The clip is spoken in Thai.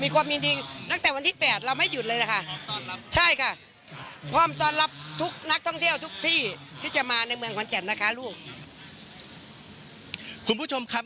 คุณผู้ชมครับ